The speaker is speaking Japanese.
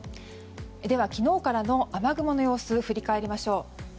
昨日からの雨雲の様子を振り返りましょう。